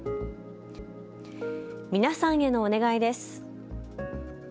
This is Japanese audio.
皆さんへのお願いです。